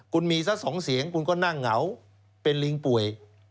คุณมีสัก๒เสียงคุณก็นั่งเหงาเป็นลิงป่วย